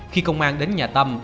khi công an đến nhà tâm